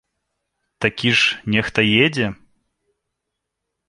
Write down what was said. Такі ж нехта едзе!